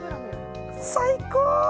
最高！